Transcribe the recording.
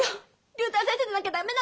竜太先生じゃなきゃ駄目なの。